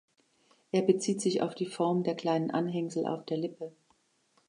Er bezieht sich auf die Form der kleinen Anhängsel auf der Lippe.